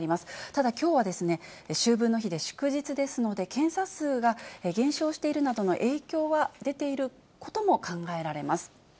ただきょうはですね、秋分の日で祝日ですので、検査数が減少しているなどの影響は出ていることも考えられます。